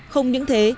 không những thế